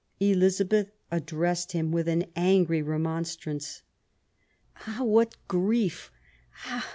Elizabeth addressed him with an angry remonstrance: — "Ah, what grief!